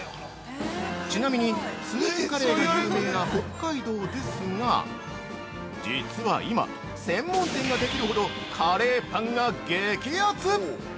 ◆ちなみに、スープカレーが有名な北海道ですが実は今、専門店ができるほどカレーパンが激アツ！